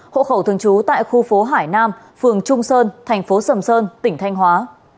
hộ khẩu thường trú tại khu phố hải nam phường trung sơn thành phố sầm sơn tỉnh thanh hóa